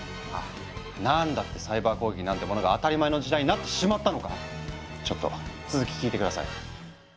なんだってサイバー攻撃なんてものが当たり前の時代になってしまったのかちょっと続き聞いて下さい。